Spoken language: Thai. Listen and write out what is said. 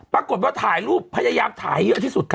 ปรากฏว่าถ่ายรูปพยายามถ่ายให้เยอะที่สุดค่ะ